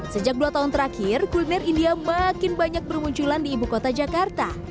sejak dua tahun terakhir kuliner india makin banyak bermunculan di ibu kota jakarta